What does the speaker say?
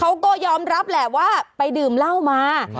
เขาก็ยอมรับแหละว่าไปดื่มเหล้ามา